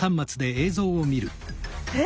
え！